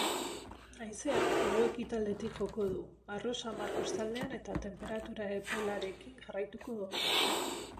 Haizeak, hego-ekialdetik joko du, harro samar kostaldean eta tenperaturaepelarekin jarraituko dugu.